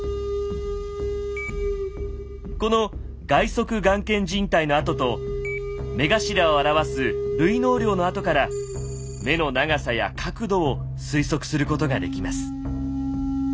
この外側眼瞼靱帯の痕と目頭を表す涙嚢稜の痕から目の「長さ」や「角度」を推測することができます。